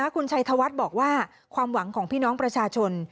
คุณชัยธวัฒน์บอกว่าความหวังของพี่น้องประชาชน